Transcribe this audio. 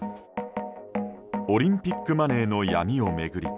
オリンピックマネーの闇を巡り